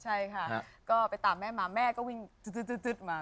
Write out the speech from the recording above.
ใช่ค่ะก็ไปตามแม่มาแม่ก็วิ่งจึ๊ดมา